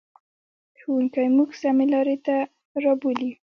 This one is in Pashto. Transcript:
ښوونکی موږ سمې لارې ته رابولي.